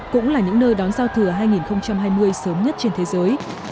cũng là những nơi đón giao thừa hai nghìn hai mươi sớm nhất trên thế giới